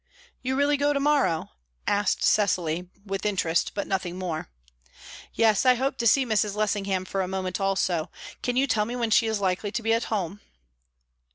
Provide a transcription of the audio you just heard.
"You really go to morrow?" asked Cecily, with interest, but nothing more. "Yes. I hope to see Mrs. Lessingham for a moment also. Can you tell me when she is likely to be at home?"